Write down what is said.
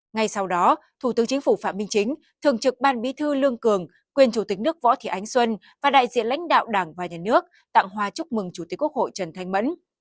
ngay sau đó thủ tướng chính phủ phạm minh chính thường trực ban bí thư lương cường quyền chủ tịch nước võ thị ánh xuân và đại diện lãnh đạo đảng và nhà nước tặng hoa chúc mừng chủ tịch quốc hội trần thanh mẫn